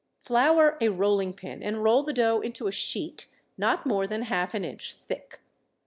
Flour a rolling pin and roll the dough into a sheet not more than half an inch thick.